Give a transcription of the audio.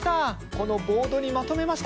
このボードにまとめました。